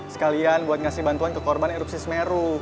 sekalian buat ngasih bantuan ke korban erupsi semeru